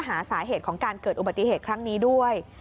หาสาเหตุของการเกิดอุบัติเหตุครั้งนี้ด้วย